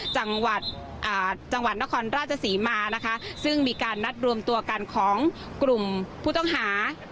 จังหวัดจังหวัดนครราชศรีมานะคะซึ่งมีการนัดรวมตัวกันของกลุ่มผู้ต้องหา